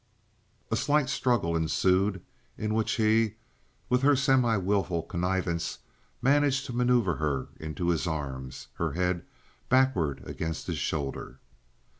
A slight struggle ensued, in which he, with her semiwilful connivance, managed to manoeuver her into his arms, her head backward against his shoulder.